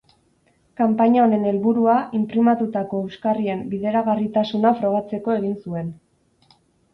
Kanpaina honen helburua inprimatutako euskarrien bideragarritasuna frogatzeko egin zuen.